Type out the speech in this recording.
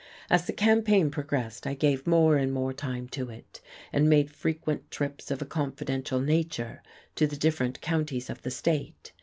As the campaign progressed I gave more and more time to it, and made frequent trips of a confidential nature to the different counties of the state.